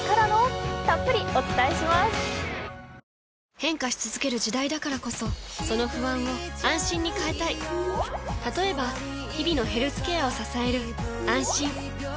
変化し続ける時代だからこそその不安を「あんしん」に変えたい例えば日々のヘルスケアを支える「あんしん」